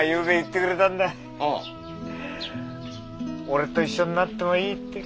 俺と一緒になってもいいって。